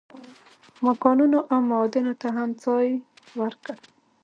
ما کانونو او معادنو ته هم ځای ورکړ.